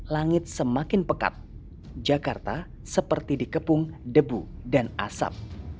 langit semakin pekat jakarta seperti dikepung debu dan asap